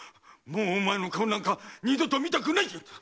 もうお前の顔なんか二度と見たくない！